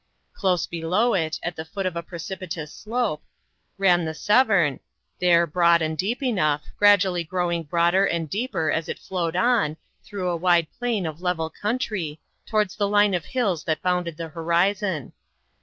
Close below it, at the foot of a precipitous slope, ran the Severn, there broad and deep enough, gradually growing broader and deeper as it flowed on, through a wide plain of level country, towards the line of hills that bounded the horizon.